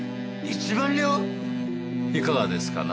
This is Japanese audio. いかがですかな？